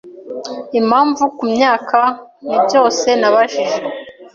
Impamvu kumyaka, nibyose nabajije